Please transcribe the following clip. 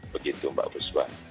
begitu mbak buswan